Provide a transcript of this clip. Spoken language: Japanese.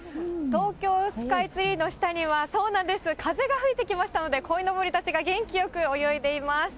東京スカイツリーの下には、そうなんです、風が吹いてきましたので、こいのぼりたちが元気よく泳いでいます。